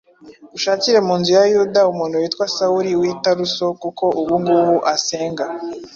ushakire mu nzu ya Yuda umuntu witwa Sawuli w’i Taruso, kuko ubu ngubu asenga.